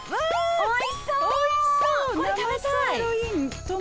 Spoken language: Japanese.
おいしそう！